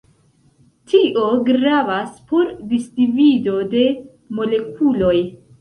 Tio gravas por disdivido de molekuloj.